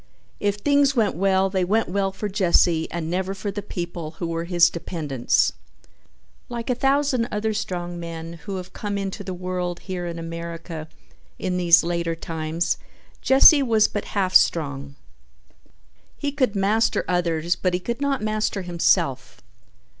If things went well they went well for Jesse and never for the people who were his dependents. Like a thousand other strong men who have come into the world here in America in these later times, Jesse was but half strong. He could master others but he could not master himself.